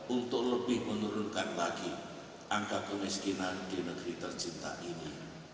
untuk lebih menurunkan lagi angka kemiskinan di negeri tercinta ini